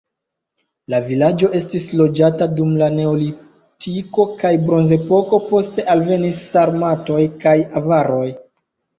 La vilaĝo estis loĝata dum la neolitiko kaj bronzepoko, poste alvenis sarmatoj kaj avaroj.